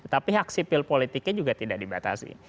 tapi hak sipil politiknya juga tidak dibatasi